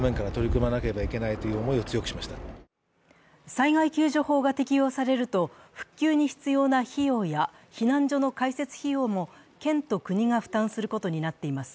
災害救助法が適用されると復旧に必要な費用や避難所の開設費用も県と国が負担することになっています。